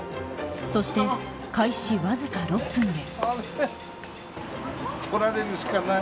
そして、開始わずか６分で。